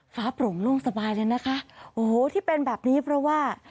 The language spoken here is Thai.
โปร่งโล่งสบายเลยนะคะโอ้โหที่เป็นแบบนี้เพราะว่า